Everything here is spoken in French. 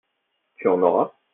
Tu en auras ?